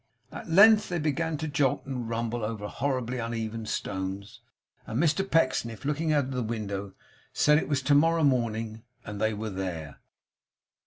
At length they began to jolt and rumble over horribly uneven stones, and Mr Pecksniff looking out of window said it was to morrow morning, and they were there.